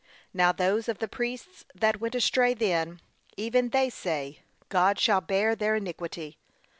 Now those of the priests that went astray then, even they say, God shall bear their iniquity.